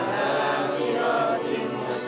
lelaki lelaki yang kerasa